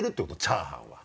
チャーハンは。